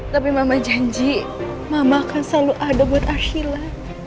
tapi mama janji mama akan selalu ada buat arshila